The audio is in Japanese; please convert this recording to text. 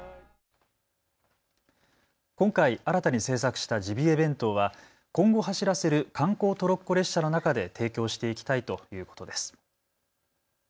今回、新たに制作したジビエ弁当は今後走らせる観光トロッコ列車の中で提供していきたいということです。